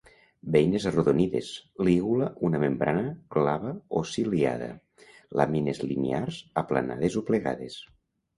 Beines arrodonides; lígula una membrana, glabra o ciliada; làmines linears, aplanades o plegades.